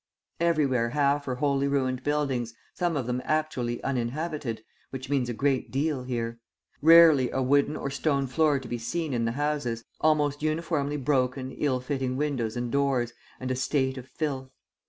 Everywhere half or wholly ruined buildings, some of them actually uninhabited, which means a great deal here; rarely a wooden or stone floor to be seen in the houses, almost uniformly broken, ill fitting windows and doors, and a state of filth!